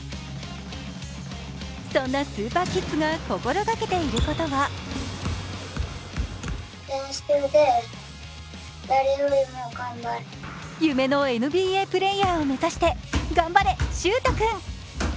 そんなスーパーキッズが心がけていることは夢のＮＢＡプレーヤーを目指して頑張れ、秀太君！